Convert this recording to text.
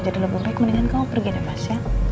jadi lebih baik mendingan kamu pergi deh mas